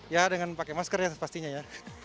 ya dengan pakai masker ya pastinya ya